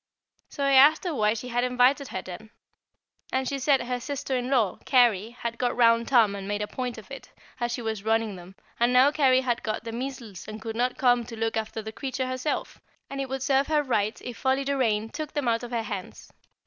So I asked her why she had invited her, then. And she said her sister in law, Carry, had got round Tom and made a point of it, as she was running them, and now Carry had got the measles and could not come to look after the creature herself; and it would serve her right if Folly Doraine took them out of her hands.